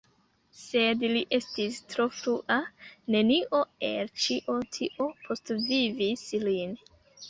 Sed li estis tro frua, nenio el ĉio tio postvivis lin.